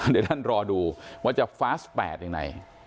เดี๋ยวท่านรอดูว่าจะฟาส๘ยังไง